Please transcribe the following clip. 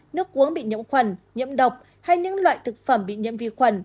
nước uống bị nhiễm khuẩn nhiễm độc hay những loại thực phẩm bị nhiễm vi khuẩn